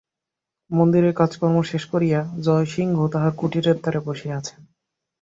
মন্দিরেরর কাজকর্ম শেষ করিয়া জয়সিংহ তাঁহার কুটিরের দ্বারে বসিয়া আছেন।